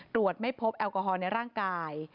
ตรวจไม่พบแอลกอฮอลในร่างกาย